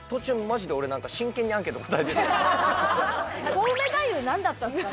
コウメ太夫なんだったんですか？